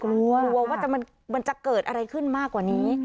กลัวกลัวว่ามันจะเกิดอะไรขึ้นมากกว่านี้